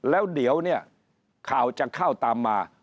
แล้วเดี๋ยวเนี่ยข่าวจะเข้าตามมา